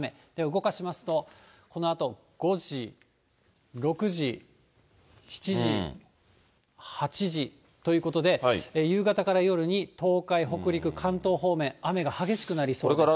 動かしますと、このあと５時、６時、７時、８時ということで、夕方から夜に、東海、北陸、関東方面、雨が激しくなりそうです。